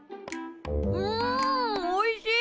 んおいしい！